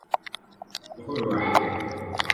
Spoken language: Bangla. শরৎচন্দ্র কোথায় খুব ভাল সুতো কাটতে পারতেন?